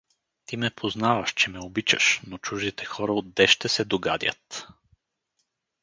— Ти ме познаваш, че ме обичаш, но чуждите хора отде ще се догадят!